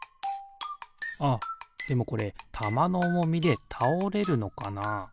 あっでもこれたまのおもみでたおれるのかな？